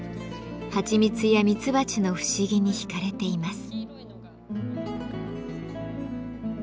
はちみつやミツバチの不思議に引かれています。